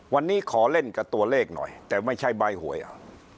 วันนี้ขอเล่นกับตัวเลขหน่อยแต่ไม่ใช่ใบหวยเอา